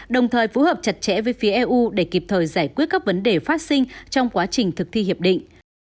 đồng thời phối hợp chặt chẽ với phía eu để kịp thời giải quyết các vấn đề phát sinh trong quá trình thực thi hiệp định